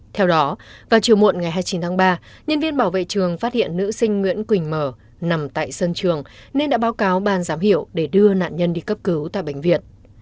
theo đó vào chiều muộn ngày hai mươi chín tháng ba nhân viên bảo vệ trường phát hiện nữ sinh nguyễn quỳnh mờ nằm tại sân trường nên đã báo cáo ban giám hiệu để đưa nạn nhân đi cấp cứu tại bệnh viện